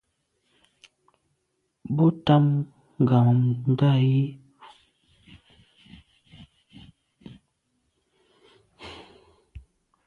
Bo tam ngàmndà yi.